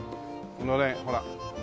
のれんほら。